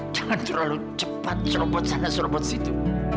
jangan terlalu cepat serobot sana serobot situ